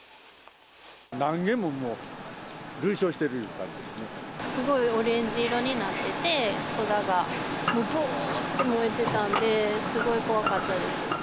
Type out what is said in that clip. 何軒ももう、すごいオレンジ色になってて、空がぼーって燃えてたんで、すごい怖かったです。